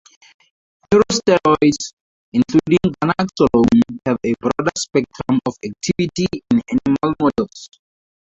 Neurosteroids, including ganaxolone have a broad spectrum of activity in animal models.